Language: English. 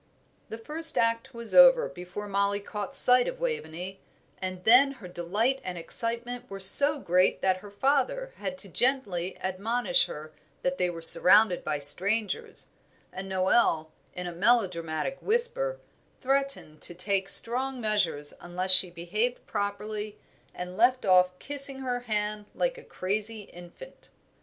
The first act was over before Mollie caught sight of Waveney, and then her delight and excitement were so great that her father had to gently admonish her that they were surrounded by strangers; and Noel, in a melodramatic whisper, threatened to take strong measures unless she behaved properly and left off kissing her hand like a crazy infant.